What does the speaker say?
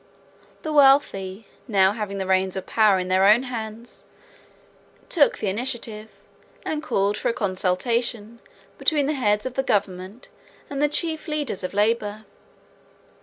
The wealthy, now having the reins of power in their own hands, took the initiative and called for a consultation between the heads of the government and the chief leaders of labor.